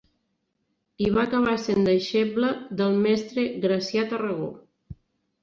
I va acabar sent deixebla del mestre Gracià Tarragó.